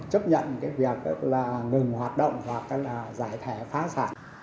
chấp nhận việc ngừng hoạt động hoặc giải thẻ phá sản